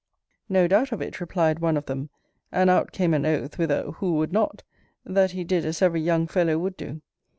No doubt of it, replied one of them; and out came an oath, with a Who would not? That he did as every young fellow would do.